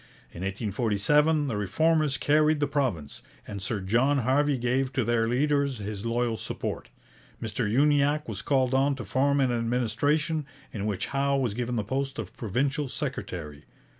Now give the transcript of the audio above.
In 1847 the Reformers carried the province, and Sir John Harvey gave to their leaders his loyal support. Mr Uniacke was called on to form an administration, in which Howe was given the post of provincial secretary.